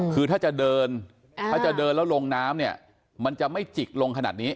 คือถ้าจะเดินถ้าจะเดินแล้วลงน้ำเนี่ยมันจะไม่จิกลงขนาดนี้